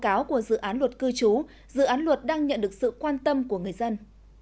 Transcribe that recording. các báo cáo của dự án luật cư trú dự án luật đang nhận được sự quan tâm của người dân